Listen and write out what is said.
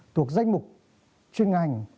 tuộc danh mục chuyên ngành